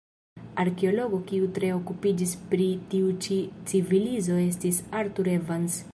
Arkeologo kiu tre okupiĝis pri tiu ĉi civilizo estis Arthur Evans.